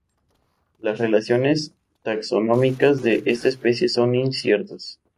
Las relaciones taxonómicas de esta especie son inciertas.